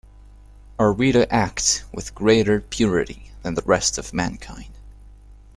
Are we to act with greater purity than the rest of mankind?